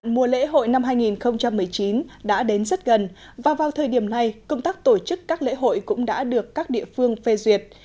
mùa lễ hội năm hai nghìn một mươi chín đã đến rất gần và vào thời điểm này công tác tổ chức các lễ hội cũng đã được các địa phương phê duyệt